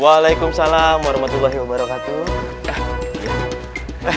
waalaikumsalam warahmatullahi wabarakatuh